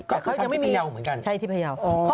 แต่เขาต้องอย่างพีทภัยยาวเหมือนกัน